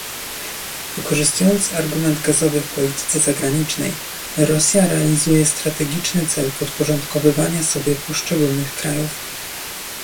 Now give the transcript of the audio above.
Wykorzystując argument gazowy w polityce zagranicznej, Rosja realizuje strategiczny cel podporządkowywania sobie poszczególnych krajów